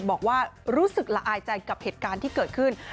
บอกว่ารู้สึกละอายใจกับเหตุการณ์ที่เกิดขึ้น